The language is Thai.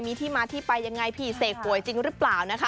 มีที่มาที่ไปยังไงพี่เสกป่วยจริงหรือเปล่านะคะ